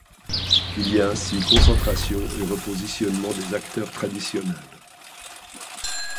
Il y a ainsi concentration et repositionnement des acteurs traditionnels.